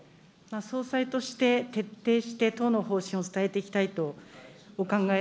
総裁として、徹底して党の方針を伝えていきたいとお考え。